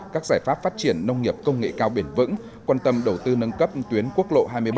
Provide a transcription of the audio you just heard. các giải pháp phát triển nông nghiệp công nghệ cao bền vững quan tâm đầu tư nâng cấp tuyến quốc lộ hai mươi bảy